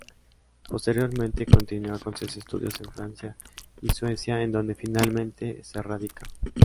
Posteriormente continúa con sus estudios en Francia y Suecia en donde finalmente se radica.